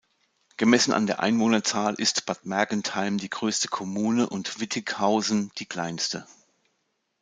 Gemessen an der Einwohnerzahl ist Bad Mergentheim die größte Kommune und Wittighausen die kleinste.